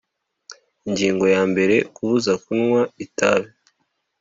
Ingingo ya mbere Kubuza kunywa itabi